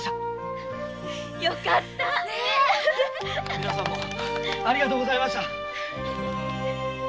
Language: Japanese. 皆様ありがとうございました。